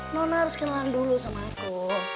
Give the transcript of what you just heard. nona harus kehilangan dulu sama aku